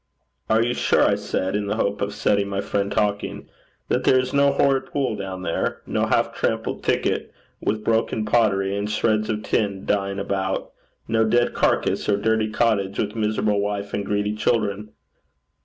'Are you sure,' I said, in the hope of setting my friend talking, 'that there is no horrid pool down there? no half trampled thicket, with broken pottery and shreds of tin lying about? no dead carcass, or dirty cottage, with miserable wife and greedy children?